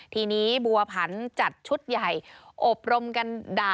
ทีนี้บัวผันจัดชุดใหญ่อบรมกันด่า